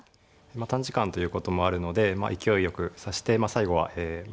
短時間ということもあるので勢いよく指して最後はえま